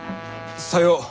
さよう。